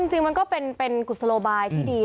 จริงมันก็เป็นกุศโลบายที่ดี